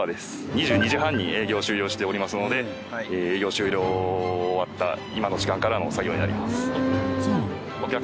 ２２時半に営業を終了しておりますので営業終了終わった今の時間からの作業になります。